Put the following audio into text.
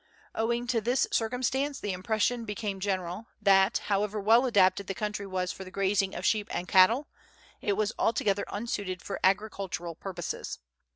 Owing to this circumstance the impression became general that, however well adapted the country was for the grazing of sheep and cattle, it was altogether unsuited for agri cultural purposes.